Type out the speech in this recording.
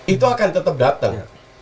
itu akan tetap datang